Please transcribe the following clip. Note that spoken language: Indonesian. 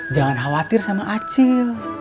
jangan khawatir sama acil